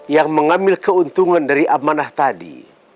yang mengambil keuntungan dari amanah tadi